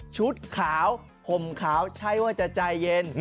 ชุดขาวห่มขาวใช่ว่าจะใจเย็น